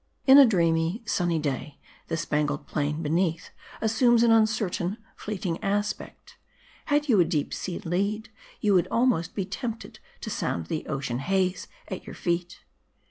In a dreamy, sunny day, the span gled plain beneath 'assumes an uncertain fleeting aspect. Had you a deep sea lead you would almost be tempted to sound the ocean haze at your feet.